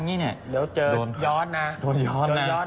เดี๋ยวเจอย้อดโดยนนะ